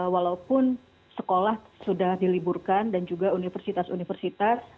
walaupun sekolah sudah diliburkan dan juga universitas universitas